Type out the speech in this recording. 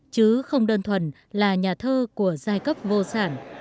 chứ không đơn thuần là nhà thơ của giai cấp vô sản